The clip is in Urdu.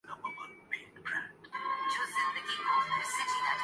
ہم کاروباری افراد معیشت کی کارکردگی سے بہت مطمئن ہیں